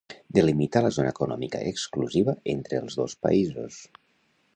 Delimita la zona econòmica exclusiva entre els dos països.